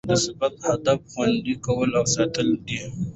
د ضبط هدف؛ خوندي کول او ساتل دي.